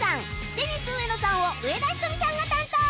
デニス植野さんを上田瞳さんが担当